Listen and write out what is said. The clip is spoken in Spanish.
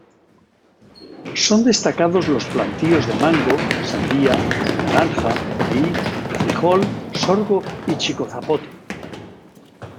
Son destacados los plantíos de mango, sandía, naranja, maíz, frijol, sorgo y chicozapote.